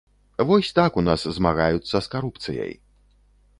Вось так у нас змагаюцца з карупцыяй.